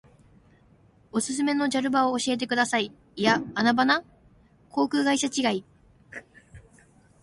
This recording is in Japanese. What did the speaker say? おすすめのジャル場を教えてください。いやアナ場な。航空会社違い。